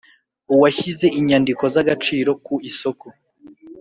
uwashyize inyandiko z agaciro ku isoko